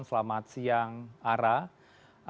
selamat siang arah